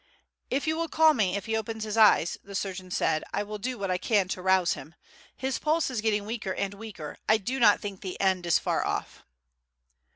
"If you will call me if he opens his eyes," the surgeon said, "I will do what I can to rouse him. His pulse is getting weaker and weaker; I do not think the end is far off."